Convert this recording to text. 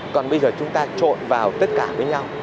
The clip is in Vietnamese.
còn bây giờ chúng ta trộn vào tất cả với nhau